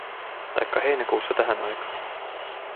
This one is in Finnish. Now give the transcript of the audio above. Taikka heinäkuussa tähän aikaan.